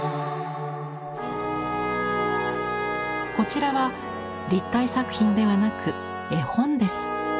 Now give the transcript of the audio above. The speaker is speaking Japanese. こちらは立体作品ではなく絵本です。